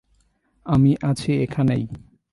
আমি আছি এখানেই।